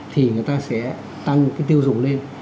thì người ta sẽ tăng cái tiêu dùng lên